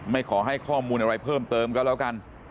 ขอให้ข้อมูลอะไรเพิ่มเติมก็แล้วกัน